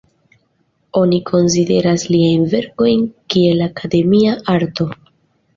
Oni konsideras liajn verkojn kiel akademia arto.